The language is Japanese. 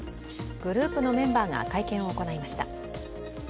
グループのメンバーが会見を行いました。